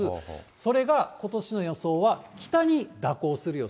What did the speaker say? それがことしの予想は、北に蛇行する予想。